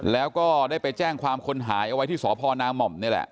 แล้วก็ได้ไปแจ้งความคนหายเอาไว้ที่สพนาม่อมนี่แหละ